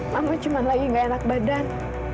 mama cuma lagi gak enak badan